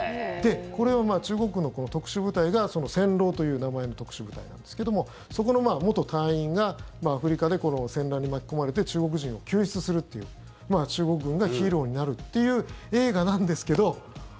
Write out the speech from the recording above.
これは中国軍の特殊部隊が戦狼という名前の特殊部隊なんですけどもそこの元隊員がアフリカで戦乱に巻き込まれて中国人を救出するという中国軍がヒーローになるという映画なんですけど。